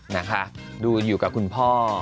นะคะดูอยู่กับคุณพ่อ